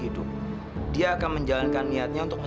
dewi ayo wik sarapan dulu